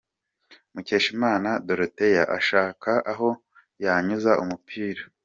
Mukeshimana Dorothea ashaka aho yanyuza umupira.